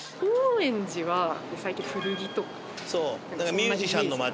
ミュージシャンの街。